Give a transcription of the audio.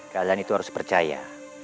kalian itu harus percaya